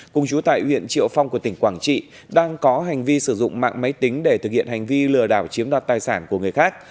cùng chú tại huyện triệu phong của tỉnh quảng trị đang có hành vi sử dụng mạng máy tính để thực hiện hành vi lừa đảo chiếm đoạt tài sản của người khác